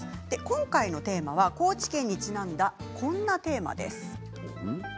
今回のテーマは高知県にちなんだこんなテーマです。